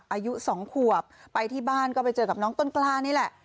อายุ๒ขวบไปที่บ้านก็ไปเจอกับน้องต้นกล้านี่แหละ